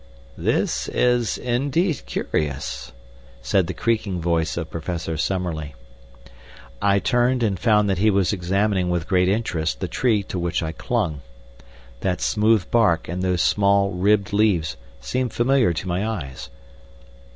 "This is indeed curious," said the creaking voice of Professor Summerlee. I turned, and found that he was examining with great interest the tree to which I clung. That smooth bark and those small, ribbed leaves seemed familiar to my eyes.